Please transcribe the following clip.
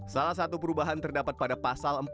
salah satu perubahan terdapat pada pasal empat puluh